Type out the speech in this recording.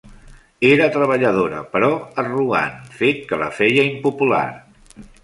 Era treballadora, però arrogant, fet que la feia impopular.